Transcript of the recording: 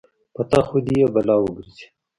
په تا خو دې يې بلا وګرځې.